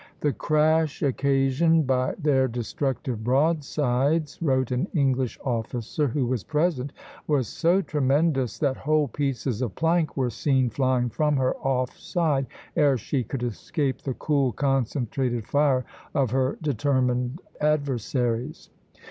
"The crash occasioned by their destructive broadsides," wrote an English officer who was present, "was so tremendous that whole pieces of plank were seen flying from her off side ere she could escape the cool, concentrated fire of her determined adversaries.